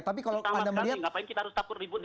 tapi kalau anda melihat